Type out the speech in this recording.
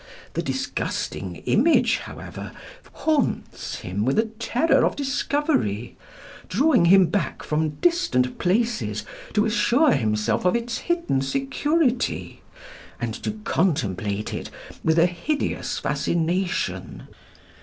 The disgusting image, however, haunts him with a terror of discovery, drawing him back from distant places to assure himself of its hidden security, and to contemplate it with a hideous fascination.